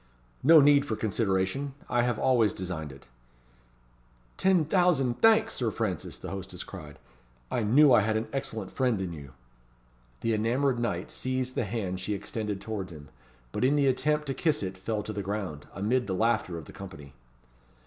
"No need for consideration; I have always designed it." "Ten thousand thanks, Sir Francis!" the hostess cried. "I knew I had an excellent friend in you." The enamoured knight seized the hand she extended towards him, but in the attempt to kiss it fell to the ground, amid the laughter of the company.